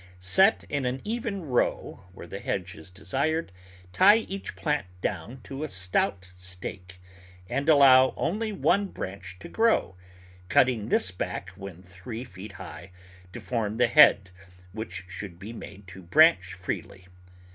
Set in an even row where the hedge is desired, tie each plant to a stout stake, and allow only one branch to grow, cutting this back when three feet high to form the head, which should be made to branch freely.